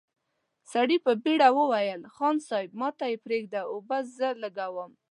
سړي په بېړه وويل: خان صيب، ماته يې پرېږده، اوبه زه لګوم!